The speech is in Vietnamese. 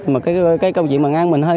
mà cái công việc mà ngăn mình